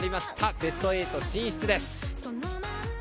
ベスト８進出です。